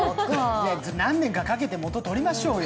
何年かかけて元取りましょうよ。